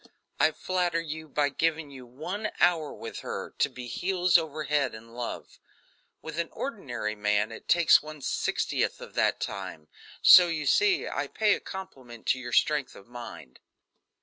I flatter you by giving you one hour with her to be heels over head in love. With an ordinary man it takes one sixtieth of that time; so you see I pay a compliment to your strength of mind."